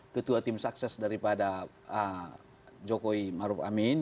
ketua tim sukses daripada jokowi maruf amin